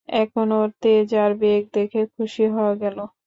এখন ওর তেজ আর বেগ দেখে খুশী হওয়া গেল।